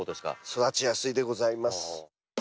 育ちやすいでございます。